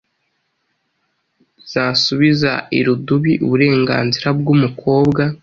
zasubiza irudubi uburenganzira bw’ umukobwa.